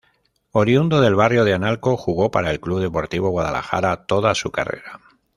Oriundo del Barrio de Analco, jugó para el Club Deportivo Guadalajara toda su carrera.